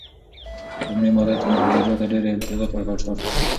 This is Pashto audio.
په لومړۍ ماده کي مهاراجا ته ډیر امتیازات ورکړل شول.